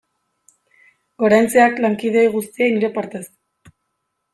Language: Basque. Goraintziak lankide ohi guztiei nire partez.